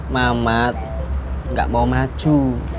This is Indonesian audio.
mamat gak mau maju